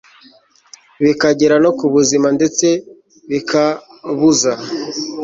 bikagera no ku buzima ndetse bikabuza